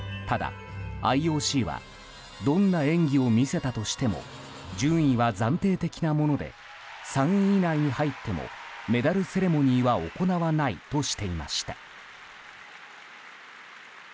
ただ、ＩＯＣはどんな演技を見せたとしても順位は暫定的なもので３位以内に入ってもメダルセレモニーは行わないとしていました。